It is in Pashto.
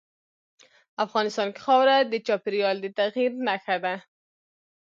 افغانستان کې خاوره د چاپېریال د تغیر نښه ده.